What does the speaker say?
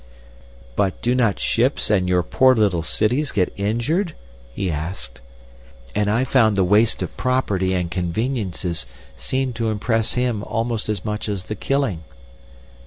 "'But do not ships and your poor little cities get injured?' he asked, and I found the waste of property and conveniences seemed to impress him almost as much as the killing.